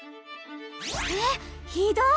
えーっひどい！